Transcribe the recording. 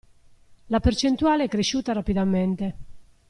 La percentuale è cresciuta rapidamente.